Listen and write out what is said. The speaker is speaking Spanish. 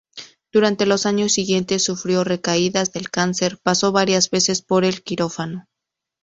Durante los años siguientes sufrió recaídas del cáncer, pasó varias veces por el quirófano.